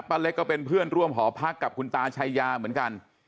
เล็กก็เป็นเพื่อนร่วมหอพักกับคุณตาชายาเหมือนกัน